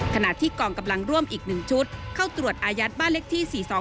ขณะที่กล่องกำลังร่วมอีกหนึ่งชุดเข้าตรวจอาญัตริ์บ้าเล็กที่๔๒๑